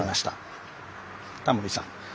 タモリさん